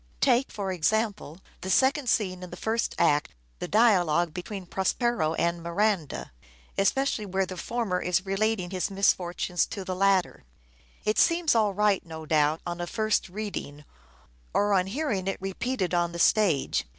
Take, for example, the second scene in the first act, the dialogue between Prospero and Miranda, especially where the former is relating his misfortunes to the latter. It seems all right, no doubt, on a first reading, or on hearing it repeated on the stage.